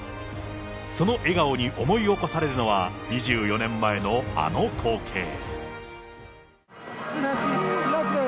その笑顔に思い起こされるのは、２４年前のあの光景。